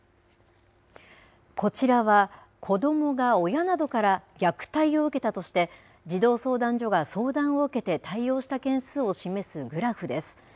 こちらは子どもが親などから虐待を受けたとして児童相談所が相談を受けて対応した件数を示すグラフです。